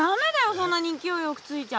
そんなにいきおいよくふいちゃ。